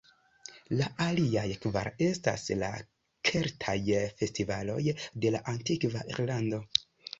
La aliaj kvar estas la "keltaj" festivaloj de la antikva Irlando.